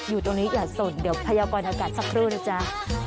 อยู่ตรงนี้อย่าสนเดี๋ยวพยากรอากาศสักครู่นะจ๊ะ